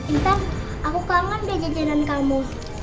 intan aku kangen deh jajanan kamu